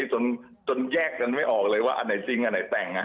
จนแยกกันไม่ออกเลยว่าอันไหนจริงอันไหนแต่ง